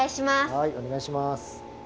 はいおねがいします。